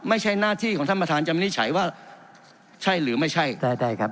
ไม่ใช่หน้าที่ของท่านประธานจะวินิจฉัยว่าใช่หรือไม่ใช่ก็ได้ครับ